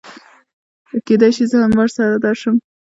کېدی شي زه هم ورسره درشم